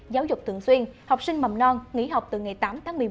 giáo dục thường xuyên học sinh mầm non nghỉ học từ ngày tám tháng một mươi một